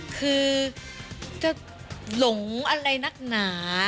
คือจะหลงอะไรนักหนา